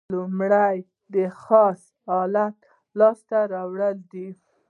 لومړی د خاص حالت لاس ته راوړل دي.